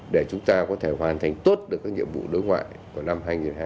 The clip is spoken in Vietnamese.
để chúng ta có thể hoàn thành tốt được các nhiệm vụ đối ngoại của năm hai nghìn hai mươi bốn